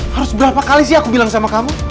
harus berapa kali sih aku bilang sama kamu